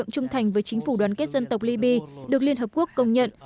trung thành với chính phủ đoàn kết dân tộc liby được liên hợp quốc công nhận